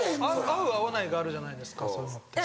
合う合わないがあるじゃないですかそういうのって。